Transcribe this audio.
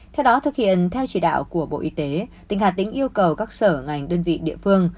theo đó thực hiện theo chỉ đạo của bộ y tế tỉnh hà tĩnh yêu cầu các sở ngành đơn vị địa phương